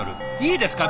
いいですか？